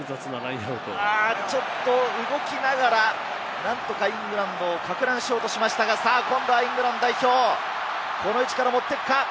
ちょっと動きながら、なんとかイングランドをかく乱しようとしましたが、今度はイングランド代表をこの位置から持っていくか。